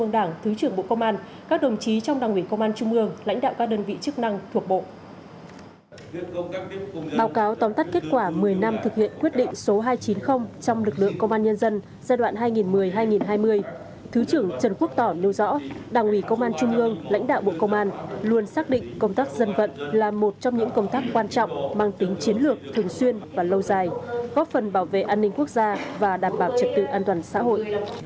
đảng ủy công an trung ương lãnh đạo bộ công an luôn xác định công tác dân vận là một trong những công tác quan trọng mang tính chiến lược thường xuyên và lâu dài góp phần bảo vệ an ninh quốc gia và đảm bảo trực tự an toàn xã hội